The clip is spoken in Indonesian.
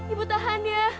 ibu tahan ya